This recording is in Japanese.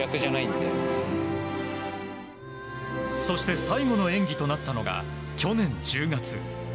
そして最後の演技となったのが去年１０月。